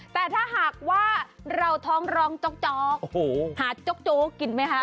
แต่ถ้าหากว่าเราท้องร้องจ๊อกหาโจ๊กโจ๊กกินไหมคะ